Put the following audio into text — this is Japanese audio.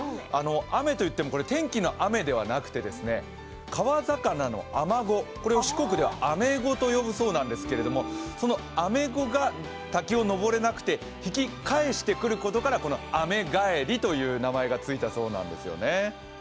あめといっても天気の雨ではなくて、川魚のあまご、これを四国ではあめごと呼ぶそうなんですけどそのあめごが滝を登れなくて、引き返してくることからこのアメガエリという名前がついたそうなんですね。